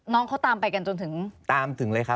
น้องเขาตามไปกันจนถึงตามถึงเลยครับ